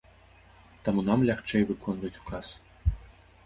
Таму нам лягчэй выконваць указ.